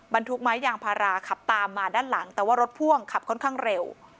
ทุกไม้ยางพาราขับตามมาด้านหลังแต่ว่ารถพ่วงขับค่อนข้างเร็ว